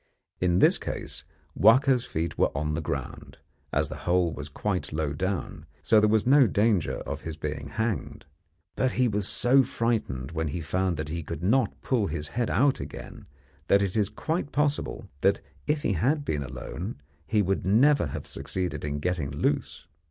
In this case Wahka's feet were on the ground, as the hole was quite low down, so there was no danger of his being hanged; but he was so frightened when he found that he could not pull his head out again that it is quite possible that if he had been alone he never would have succeeded in getting loose.